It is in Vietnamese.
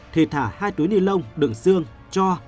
thì thả hai túi ni lông đựng xương cho